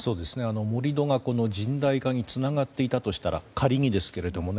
盛り土がこの甚大化につながっていたとしたら仮にですけれどもね